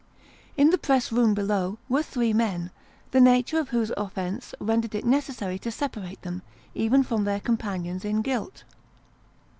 In the press room below, were three men, the nature of whose offence rendered it necessary to separate them, even from their companions in guilt.